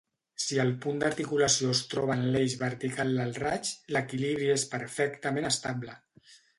Si el punt d'articulació es troba en l'eix vertical del raig, l'equilibri és perfectament estable.